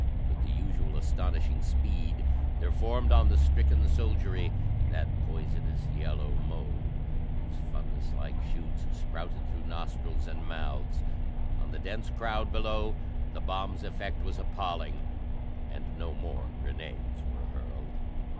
With the usual astonishing speed there formed on the stricken soldiery that poisonous yellow mould, whose fungus like shoots sprouted through nostrils and mouths. On the dense crowd below the bomb's effect was appalling, and no more grenades were hurled....